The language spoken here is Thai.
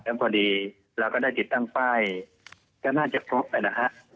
แล้วพอดีเราก็ได้ติดตั้งป้ายก็น่าจะครบนะฮะ